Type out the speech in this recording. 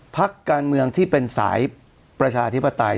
พักการเมืองที่เป็นสายประชาธิปไตย